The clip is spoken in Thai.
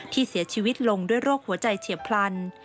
ที่เสียชีวิตลงด้วยโรคหัวใจเฉียบพลัน